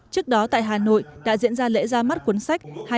trước đó tại hà nội đã diễn ra lễ ra mắt cuốn sách